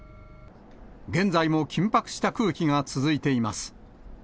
現在も緊迫した空気が続いています。